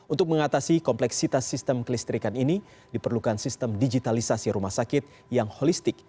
untuk mengatasi kompleksitas sistem kelistrikan ini diperlukan sistem digitalisasi rumah sakit yang holistik